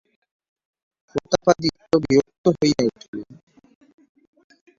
প্রতাপাদিত্য বিরক্ত হইয়া উঠিলেন।